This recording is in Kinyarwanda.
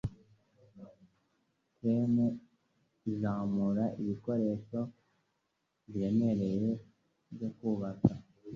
Crane izamura ibikoresho biremereye byo kubaka.